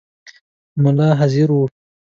مُلا حاضر وو.